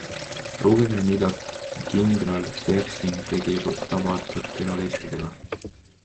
Lugege, mida kindral Pershing tegi tabatud terroristidega.